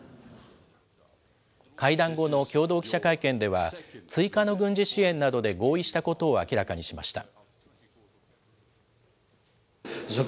会談後の共同記者会見では、追加の軍事支援などで合意したことを明らかにしました。